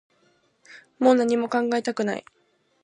もう何も考えたくない